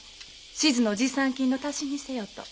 志津の持参金の足しにせよと。